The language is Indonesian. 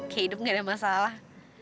kayak hidup gak ada masalah